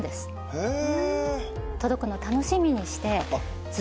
へえ。